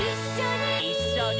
「いっしょに」